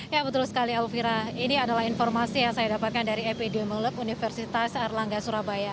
ya betul sekali elvira ini adalah informasi yang saya dapatkan dari epidemiolog universitas erlangga surabaya